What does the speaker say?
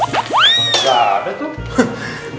gak ada tuh